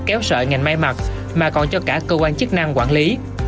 kéo sợi ngành may mặt mà còn cho cả cơ quan chức năng quản lý